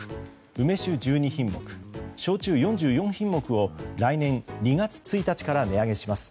梅酒１２品目、焼酎４４品目を来年２月１日から値上げします。